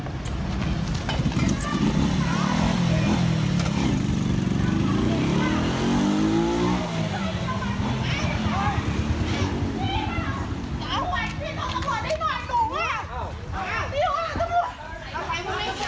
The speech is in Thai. นี่คุณผู้ชม